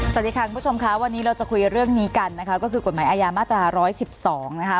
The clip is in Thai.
สวัสดีค่ะคุณผู้ชมค่ะวันนี้เราจะคุยเรื่องนี้กันนะคะก็คือกฎหมายอาญามาตรา๑๑๒นะคะ